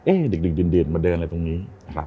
นึกดึงดึงมาเดินไปตรงนี้